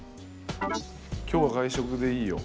「今日は外食でいいよ！」。